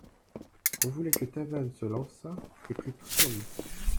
On voulait que Tavannes se lançât et prît tout sur lui.